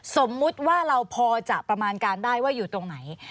สมมุติว่าเราพอจะประมาณการได้ว่าอยู่ตรงไหน